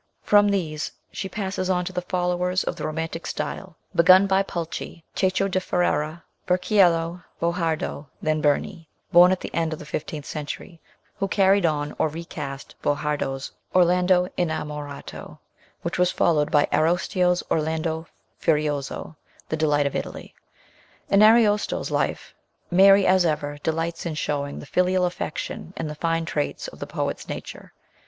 From these she passes on to the followers of the romantic style begun by Pulci, Cieco da Ferrara, Burchiello, Bojardo ; then Berni, born at the end of the fifteenth century, who carried on or recast Bojardo's Orlando Innamorato, which was followed by Ariosto's Orlando Furioso, the delight of Italy. In Ariosto's life Mary, as ever, delights in showing the filial affection and fine traits of the poet's nature.